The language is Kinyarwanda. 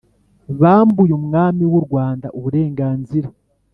bambuye umwami w'u Rwanda uburenganzira